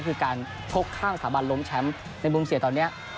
คือการชกข้างสถาบันล้มแชมป์ในมุมเสียตอนนี้